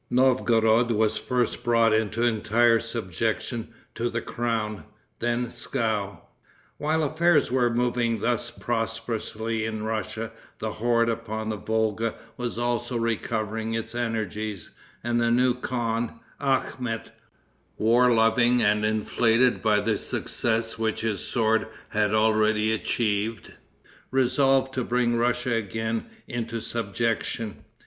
Novgorod was first brought into entire subjection to the crown; then Pskov. While affairs were moving thus prosperously in Russia, the horde upon the Volga was also recovering its energies; and a new khan, Akhmet, war loving and inflated by the success which his sword had already achieved, resolved to bring Russia again into subjection.